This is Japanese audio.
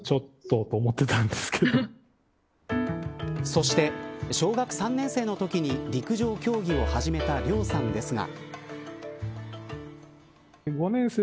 そして小学３年生のときに陸上競技を始めた綾さんですが。